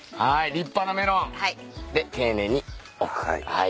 立派なメロン。で丁寧にはい。